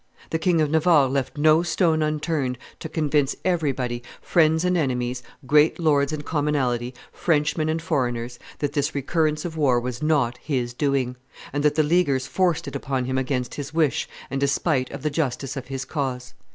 The King of Navarre left no stone unturned to convince everybody, friends and enemies, great lords and commonalty, Frenchmen and foreigners, that this recurrence of war was not his doing, and that the Leaguers forced it upon him against his wish and despite of the justice of his cause.